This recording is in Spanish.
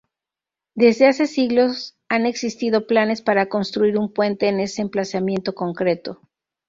Desde hace siglos han existido planes para construir un puente en ese emplazamiento concreto.